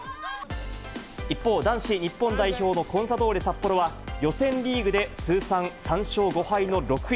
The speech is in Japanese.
一方、男子日本代表のコンサドーレ札幌は、予選リーグで通算３勝５敗の６位。